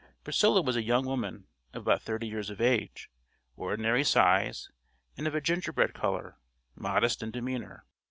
Priscilla was a young woman of about thirty years of age, ordinary size, and of a ginger bread color; modest in demeanor.